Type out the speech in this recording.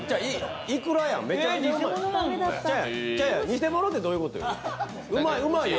偽物ってどういうことよ？